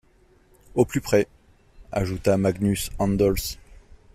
Au plus près... ajouta Magnus Anders.